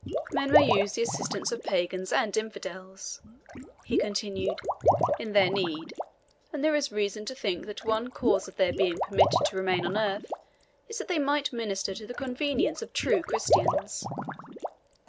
Men may use the assistance of pagans and infidels," he continued, "in their need, and there is reason to think that one cause of their being permitted to remain on earth is that they might minister to the convenience of true Christians.